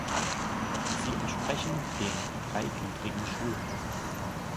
Sie entsprechen dem dreigliedrigen Schulwesen.